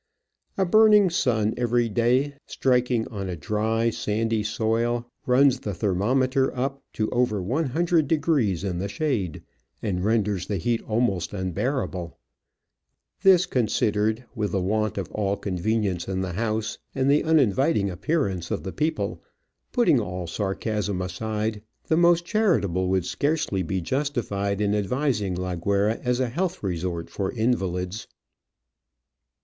A burning sun every day, striking on a dry, sandy soil, runs the thermometer up to over lOO degrees in the shade, and renders the heat almost unbearable : this considered — with the want of all convenience in the house, and the uninviting appearance of the people — putting all sarcasm aside, the most charitable would scarcely be justified in advising La Guayra as a health resort for invalids.